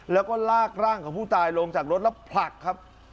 แล้วก็ลากร่างของผู้ตายลงจากรถแล้วผลักครับ